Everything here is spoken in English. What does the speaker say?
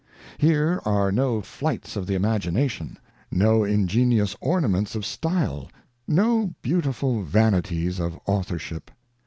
Here are no flights of the imagination, no ingenious ornaments of style, no beautiful vanities of authorship.